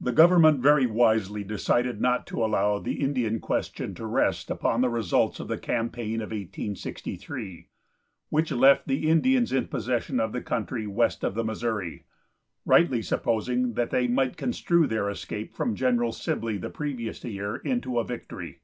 The government very wisely decided not to allow the Indian question to rest upon the results of the campaign of 1863, which left the Indians in possession of the country west of the Missouri, rightly supposing that they might construe their escape from General Sibley the previous year into a victory.